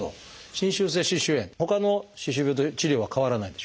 侵襲性歯周炎ほかの歯周病と治療は変わらないんでしょうか？